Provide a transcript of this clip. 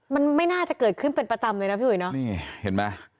มันไม่น่าจะเกิดขึ้นเป็นประจำเลยนะพี่อุ๋ยเนอะนี่เห็นไหม